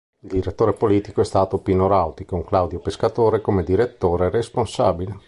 Il Direttore politico è stato Pino Rauti con Claudio Pescatore come direttore responsabile.